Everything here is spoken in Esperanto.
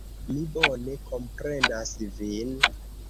Mi bone komprenas vin.